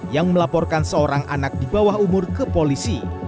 yang melaporkan seorang anak di bawah umur ke polisi